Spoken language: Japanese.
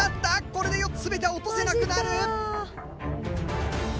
これで４つ全ては落とせなくなる。